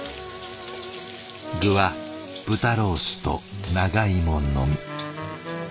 具は豚ロースと長芋のみ。